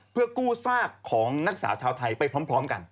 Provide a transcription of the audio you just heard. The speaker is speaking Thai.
เพื่อกู้ซากของนักสาวชาวไทยไปพร้อมกัน